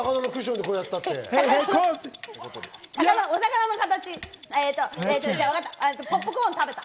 お魚の形。